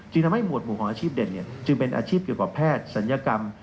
ทำให้หมวดหมู่ของอาชีพเด่นจึงเป็นอาชีพเกี่ยวกับแพทย์ศัลยกรรม